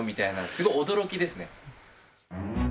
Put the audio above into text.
すごく驚きですね。